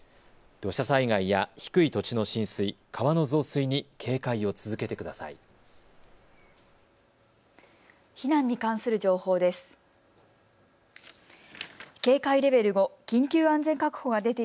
土砂災害や低い土地の浸水、川の増水に警戒を続けてください。